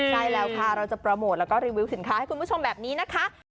ใช่แล้วค่ะเราจะโปรโมทแล้วก็รีวิวสินค้าให้คุณผู้ชมแบบนี้นะคะ